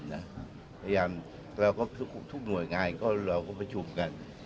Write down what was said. พยายามทุกหน่วยงายเราคุ้มประชุมกัน